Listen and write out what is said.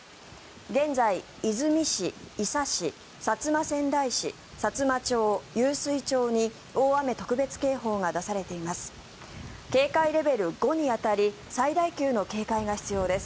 現在、出水市伊佐市、薩摩川内市さつま町、湧水町に大雨特別警報が出されています。